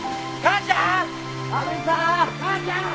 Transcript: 母ちゃん。